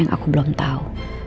yang aku belum tahu